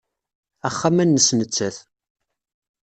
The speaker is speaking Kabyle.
Axxam-a nnes nettat.